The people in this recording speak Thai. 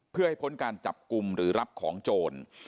เพื่อให้พ้นการจับกลุ่มหรือรับของโจร